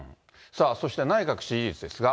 さあ、そして内閣支持率ですが。